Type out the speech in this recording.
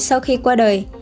sau khi qua đời